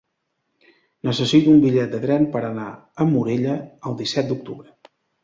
Necessito un bitllet de tren per anar a Morella el disset d'octubre.